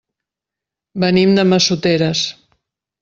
Venim de Massoteres.